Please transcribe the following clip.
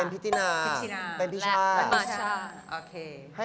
วถานภูมิ